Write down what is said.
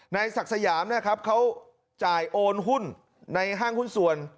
นายศักดิ์สยามนะครับเขาจ่ายโอนหุ้นในห้างหุ้นส่วน